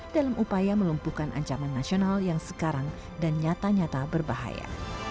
dalam upaya melumpuhkan ancaman nasional yang sekarang dan nyata nyata berbahaya